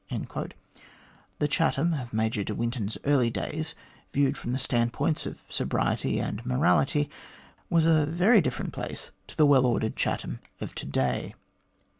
The Chatham of Major de Win ton's early days, viewed from the standpoints of sobriety and morality, was a very different place to the well ordered Chatham of to day.